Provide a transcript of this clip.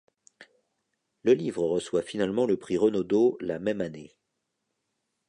Le livre reçoit finalement le prix Renaudot la même année.